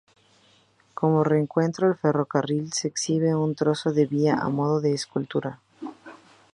Como recuerdo al ferrocarril, se exhibe un trozo de vía a modo de escultura.